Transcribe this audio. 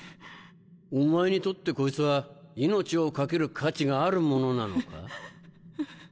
お前にとってこいつは命を懸ける価値があるものなのか？